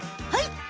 はい。